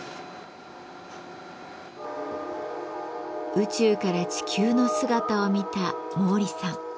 宇宙から地球の姿を見た毛利さん。